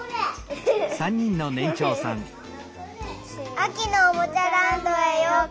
あきのおもちゃランドへようこそ！